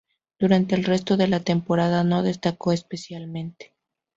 Durante el resto de la temporada no destacó especialmente.